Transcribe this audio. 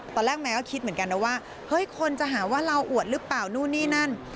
แมวก็คิดเหมือนกันนะว่าเฮ้ยคนจะหาว่าเราอวดหรือเปล่านู่นนี่นั่น